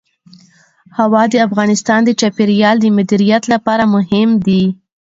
هوا د افغانستان د چاپیریال د مدیریت لپاره مهم دي.